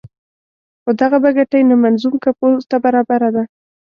خو دغه بګتۍ نه منظوم کمپوز ته برابره ده.